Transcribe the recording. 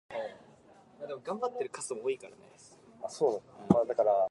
More explicit lesbian content was provided in Hammer's Karnstein Trilogy.